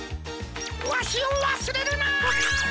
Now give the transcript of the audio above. わしをわすれるな！